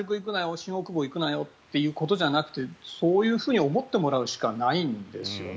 新大久保行くなよということじゃなくてそういうふうに思ってもらうしかないんですよね。